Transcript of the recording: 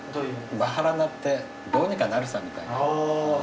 バハラナってどうにかなるさみたいな。